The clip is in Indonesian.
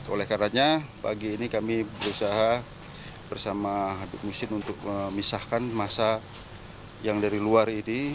oleh karena pagi ini kami berusaha bersama habib musin untuk memisahkan masa yang dari luar ini